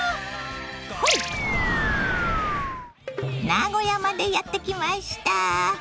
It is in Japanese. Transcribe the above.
名古屋までやって来ました。